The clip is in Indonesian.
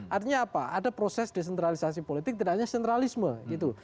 artinya apa ada proses desentralisasi politik tidak hanya sentralisme gitu